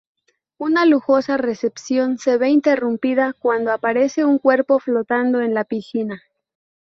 Una lujosa recepción se ve interrumpida cuando aparece un cuerpo flotando en la piscina.